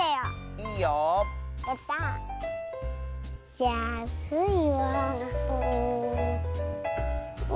じゃあスイは。